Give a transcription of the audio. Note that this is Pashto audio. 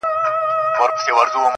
خاموسي تر ټولو قوي ځواب دی,